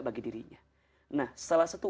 bagi dirinya nah salah satu